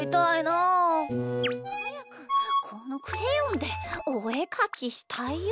はやくこのクレヨンでおえかきしたいよ。